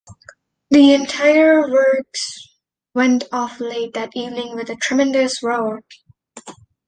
The entire works went off late that evening with a tremendous roar.